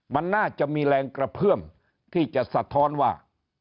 มันน่าจะมีแรงกระเพื่อมที่จะสะท้อนว่า